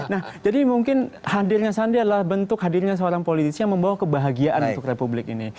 nah jadi mungkin hadirnya sandi adalah bentuk hadirnya seorang politisi yang membawa kebahagiaan untuk republik ini